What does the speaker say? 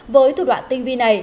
với thủ đoạn tinh vi này